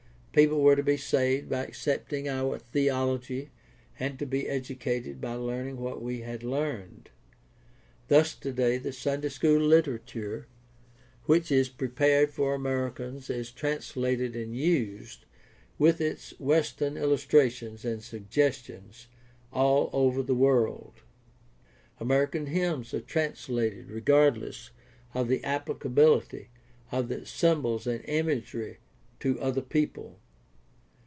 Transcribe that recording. People were to be saved by accepting our theology and to be educated by learning what we had learned. Thus today the Sunday school literature which is prepared for Americans is translated and used, with its Western illustrations and sug gestions, all over the world. American hymns are translated regardless of the appHcability of the symbols and imagery to another people.